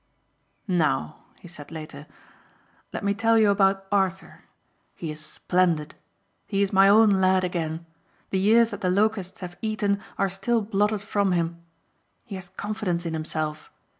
"Now," he said later, "Let me tell you about Arthur. He is splendid. He is my own lad again. The years that the locusts have eaten are still blotted from him. He has confidence in himself.